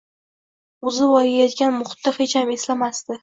o‘zi voyaga yetgan muhitni hecham eslamasdi.